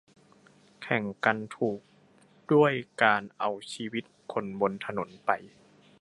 แข่งกันถูกด้วยการเอาชีวิตคนบนถนนไป